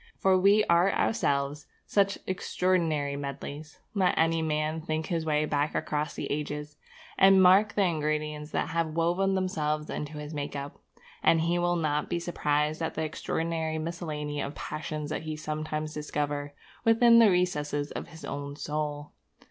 For we are ourselves such extraordinary medlies. Let any man think his way back across the ages, and mark the ingredients that have woven themselves into his make up, and he will not be surprised at the extraordinary miscellany of passions that he sometimes discovers within the recesses of his own soul.